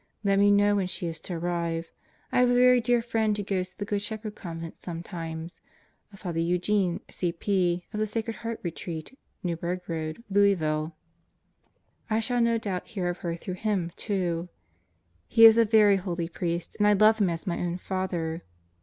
Let me know when she is to arrive. I have a very dear friend who goes to the Good Shepherd Convent sometimes a Father Eugene, C.P., of the Sacred Heart Retreat, Newburg Road, Louisville. I shall no doubt hear of her through him, too. He is a very holy priest. I love him as my own father.